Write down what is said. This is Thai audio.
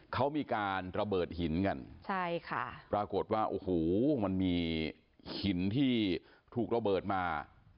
เขามีการระเบิดหินกันใช่ค่ะปรากฏว่าโอ้โหมันมีหินที่ถูกระเบิดมา